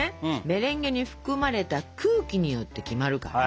メレンゲに含まれた空気によって決まるから。